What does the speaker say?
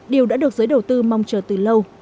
điều đã được giới đầu tư mong chờ từ lâu